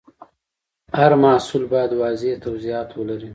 هر محصول باید واضح توضیحات ولري.